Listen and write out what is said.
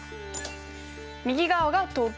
右側が東京。